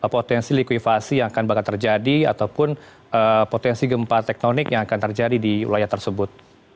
potensi likuifasi yang akan bakal terjadi ataupun potensi gempa tektonik yang akan terjadi di wilayah tersebut